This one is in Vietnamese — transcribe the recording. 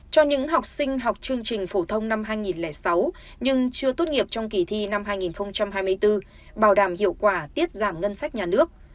cho những học sinh học chương trình phổ thông năm hai nghìn sáu nhưng chưa tốt nghiệp trong kỳ thi năm hai nghìn hai mươi bốn bảo đảm hiệu quả tiết giảm ngân sách nhà nước